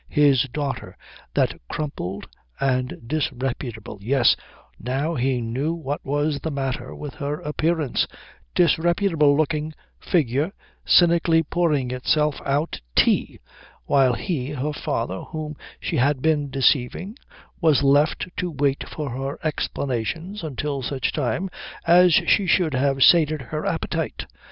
His daughter. That crumpled and disreputable yes, now he knew what was the matter with her appearance disreputable looking figure cynically pouring itself out tea while he, her father whom she had been deceiving, was left to wait for her explanations until such time as she should have sated her appetite.